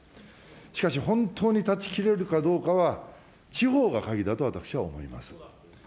しかし、本当に断ち切れるかどうかは地方が鍵だと私は思います。